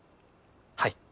はい。